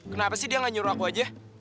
kenapa sih dia gak nyuruh aku aja